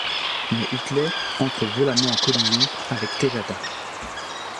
Mais Utley entre violemment en collision avec Tejada.